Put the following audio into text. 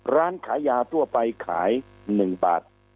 ร้านขายยาทั่วไปขาย๑บาท